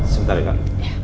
sebentar ya kak